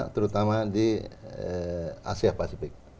terutama di asia pasifik